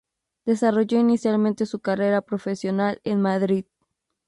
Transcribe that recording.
Desarrolló inicialmente su carrera profesional en Madrid.